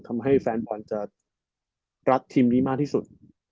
ทำให้แฟนบอลจะรักทีมนี้มากที่สุด